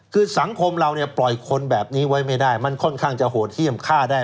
คือสังคมเราเนี่ยปล่อยคนแบบนี้ไว้ไม่ได้มันค่อนข้างจะโหดเยี่ยมฆ่าได้